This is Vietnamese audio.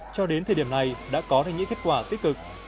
cho đến thời điểm này đã có được những kết quả tích cực